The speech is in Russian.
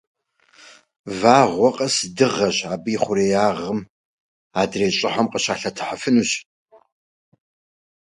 Каждая звезда - это солнце, вокруг которого могут вращаться планеты.